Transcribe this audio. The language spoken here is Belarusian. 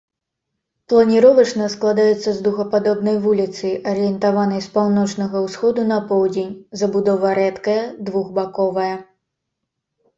Планіровачна складаецца з дугападобнай вуліцы, арыентаванай з паўночнага ўсходу на поўдзень, забудова рэдкая, двухбаковая.